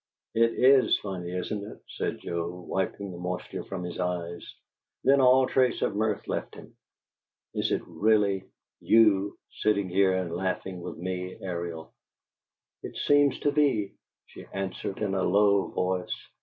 "It IS funny, isn't it?" said Joe, wiping the moisture from his eyes. Then all trace of mirth left him. "Is it really YOU, sitting here and laughing with me, Ariel?" "It seems to be," she answered, in a low voice.